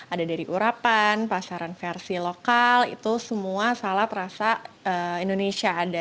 ada dari urapan pasaran versi lokal itu semua salad rasa indonesia ada